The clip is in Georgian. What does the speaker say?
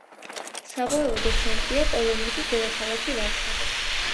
სავოევოდოს ცენტრია პოლონეთის დედაქალაქი ვარშავა.